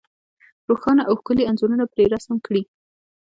روښانه او ښکلي انځورونه پرې رسم کړي.